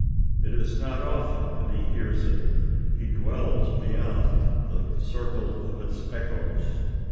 It is not often that he hears it: he dwells beyond the circle of its echoes.